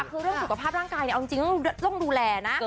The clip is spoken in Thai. เรื่องสุขภาพร่างกายเนี่ยคือต้องดูแล